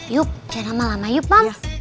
yuk jangan lama lama yuk map